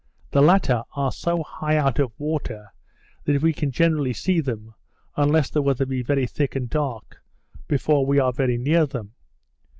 The latter are so high out of water, that we can generally see them, unless the weather be very thick and dark, before we are very near them.